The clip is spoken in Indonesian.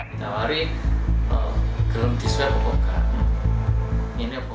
kita wari belum disuai pokoknya